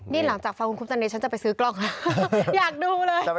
นี่หลังจากฟังคุมคุมจันทร์ฉันจะไปซื้อกล้องล่ะ